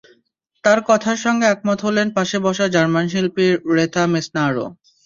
তাঁর কথার সঙ্গে একমত হলেন পাশে বসা জার্মান শিল্পী রেথা মেসনারও।